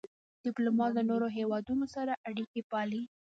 ډيپلومات له نورو هېوادونو سره اړیکي پالي.